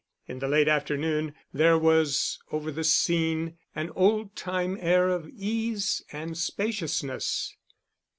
In the late afternoon there was over the scene an old time air of ease and spaciousness.